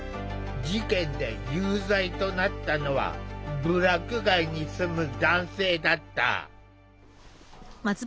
事件で有罪となったのは部落外に住む男性だった。